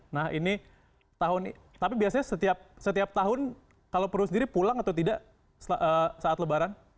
nah ini tahun ini tapi biasanya setiap tahun kalau perlu sendiri pulang atau tidak saat lebaran